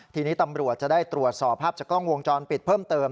ทีนี้ตำรวจจะได้ตรวจสอบภาพจากกล้องวงจรปิดเพิ่มเติม